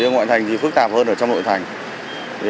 ngoại thành thì phức tạp hơn ở trong nội thành